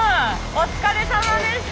お疲れさまでした！